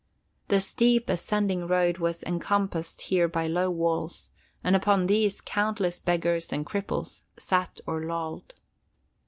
The steep ascending road was encompassed here by low walls, and upon these countless beggars and cripples sat or lolled.